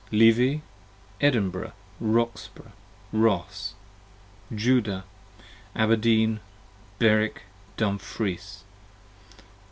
Levi, Edinburh, Roxbro, Ross. Judah, Abrdeen, Berwik, Dumfries.